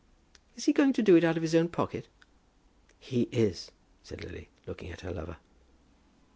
"Is he going to do it out of his own pocket?" "He is," said Lily, looking at her lover.